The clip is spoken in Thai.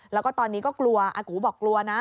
แล้วก็ตอนนี้ก็กลัวอากูบอกกลัวนะ